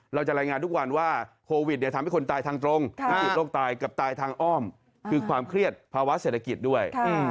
เราจะรายงานทุกวันว่าโควิดทำให้คนตายทางตรงวิกฤตโรคตายกับตายทางอ้อมคือความเครียดภาวะเศรษฐกิจด้วย